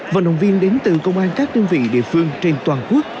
vận động viên đến từ công an các đơn vị địa phương trên toàn quốc